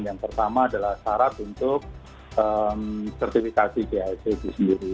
yang pertama adalah syarat untuk sertifikasi ghc di sendiri